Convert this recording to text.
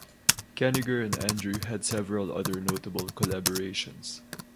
Kanigher and Andru had several other notable collaborations.